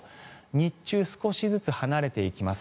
日中、少しずつ離れていきます。